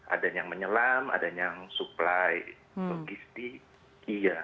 adanya yang menyelam adanya yang supply logistik iya